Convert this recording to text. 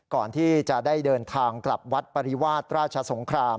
ก่อนที่จะได้เดินทางกลับวัดปริวาสราชสงคราม